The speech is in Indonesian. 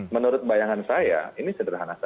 menurut bayangan saya ini sederhana saja